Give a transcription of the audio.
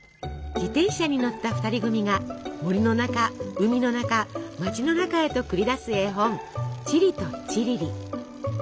自転車に乗った２人組が森の中海の中町の中へと繰り出す絵本「チリとチリリ」。